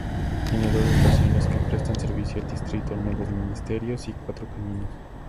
Tiene dos estaciones que prestan servicio al distrito: Nuevos Ministerios y Cuatro Caminos.